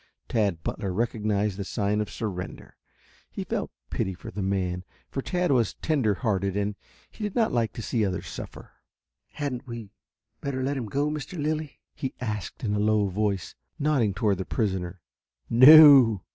Tad Butler recognized the sign of surrender. He felt pity for the man, for Tad was tender hearted and he did not like to see others suffer. "Hadn't we better let him go, Mr. Lilly?" he asked in a low voice, nodding toward the prisoner. _"No!"